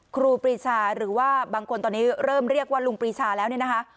ครูปรีชาหรือว่าบางคนตอนนี้เริ่มเรียกว่าลุงปรีชาแล้วเนี่ยนะคะ